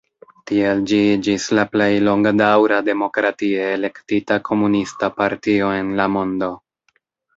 Tiel ĝi iĝis la plej longdaŭra demokratie elektita komunista partio en la mondo.